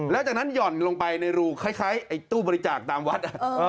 แล้วจากนั้นหย่อนลงไปในรูคล้ายไอ้ตู้บริจาคตามวัด